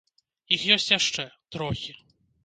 Іх ёсць яшчэ, трохі.